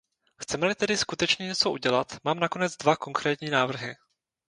Chceme-li tedy skutečně něco udělat, mám nakonec dva konkrétní návrhy.